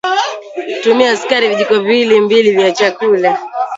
tumia sukari vijiko viwili mbili vya chakula